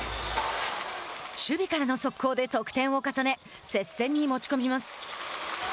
守備からの速攻で得点を重ね接戦に持ち込みます。